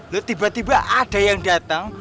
loh tiba tiba ada yang datang